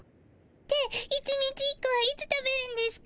で１日１個はいつ食べるんですか？